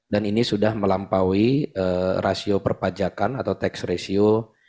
dan ini sudah melampaui rasio perpajakan atau tax ratio